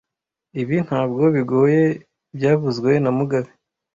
Ibi ntabwo bigoye byavuzwe na mugabe